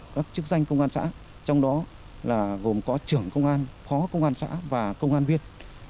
các chức danh công an xã trong đó là gồm có trưởng công an phó công an xã và công an viên